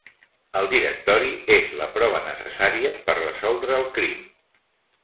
El directori és la prova necessària per resoldre el crim.